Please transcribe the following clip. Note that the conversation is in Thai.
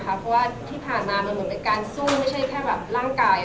เพราะว่าที่ผ่านมามันเหมือนเป็นการสู้ไม่ใช่แค่แบบร่างกาย